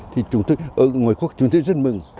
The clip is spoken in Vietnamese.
thì chúng tôi ở ngoài quốc chúng tôi rất mừng